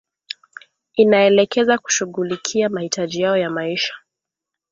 inaelekeza kushughulikia mahitaji yao ya maisha